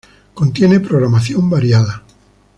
Contiene programación variada.